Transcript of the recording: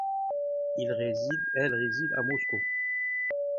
Elle réside à Moscou.